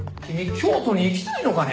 京都に行きたいのかね？